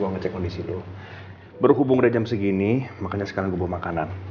ngecek kondisi lo berhubung rejam segini makanya sekarang gue mau makanan